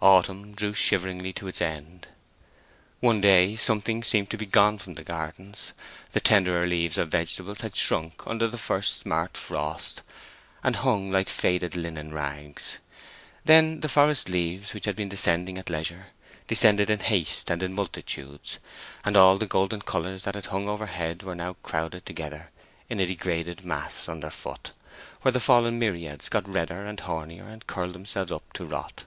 Autumn drew shiveringly to its end. One day something seemed to be gone from the gardens; the tenderer leaves of vegetables had shrunk under the first smart frost, and hung like faded linen rags; then the forest leaves, which had been descending at leisure, descended in haste and in multitudes, and all the golden colors that had hung overhead were now crowded together in a degraded mass underfoot, where the fallen myriads got redder and hornier, and curled themselves up to rot.